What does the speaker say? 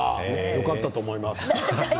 よかったと思います。